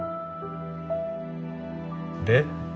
で？